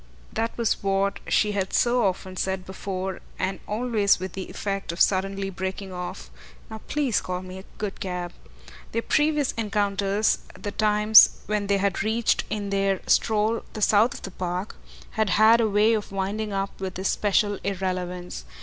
That was what she had so often said before, and always with the effect of suddenly breaking off: "Now please call me a good cab." Their previous encounters, the times when they had reached in their stroll the south side of the park, had had a way of winding up with this special irrelevance.